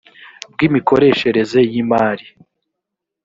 bw imikoreshereze y imari